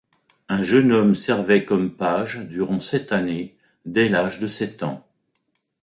Un jeune homme servait comme page durant sept années, dès l'âge de sept ans.